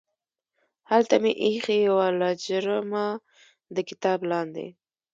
هلته مې ایښې یوه لجرمه د کتاب لاندې